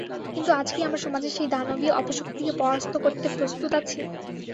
কিন্তু আজ কি আমরা সমাজের সেই দানবীয় অপশক্তিকে পরাস্ত করতে প্রস্তুত আছি?